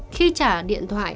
khi trả điện thoại